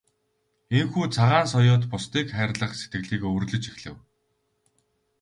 Ийнхүү Цагаан соёот бусдыг хайрлах сэтгэлийг өвөрлөж эхлэв.